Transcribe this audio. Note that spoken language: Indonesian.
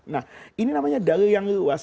nah ini namanya dalil yang luas